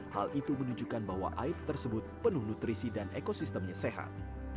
hal itu menunjukkan bahwa air tersebut penuh nutrisi dan ekosistemnya sehat